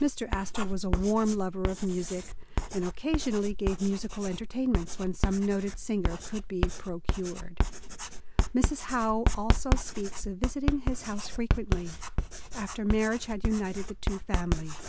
Mr. Astor was a warm lover of music, and occasion ally gave musical entertainments, when some noted singer could be procured. Mrs. Howe also speaks of visiting his house frequently, after marriage had united the two families.